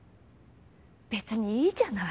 べつにいいじゃない。